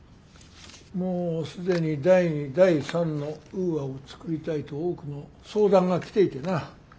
「もう既に第２第３のウーアを作りたいと多くの相談が来ていてな。